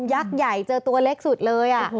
ักษ์ใหญ่เจอตัวเล็กสุดเลย